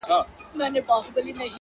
برايی مي دا زخمي زړه ناکرار کړم-